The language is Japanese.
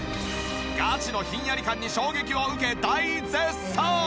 ガチのひんやり感に衝撃を受け大絶賛！